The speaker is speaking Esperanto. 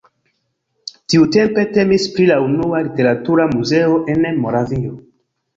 Tiutempe temis pri la unua literatura muzeo en Moravio.